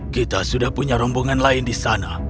kita sudah punya rombongan lain di sana